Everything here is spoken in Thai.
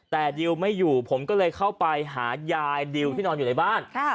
แต่ดิวไม่อยู่ผมก็เลยเข้าไปหายายดิวที่นอนอยู่ในบ้าน